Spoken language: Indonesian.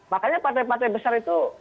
makanya partai partai besar itu